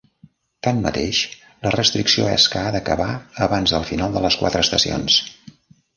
Tanmateix, la restricció és que ha d'acabar abans del final de les quatre estacions.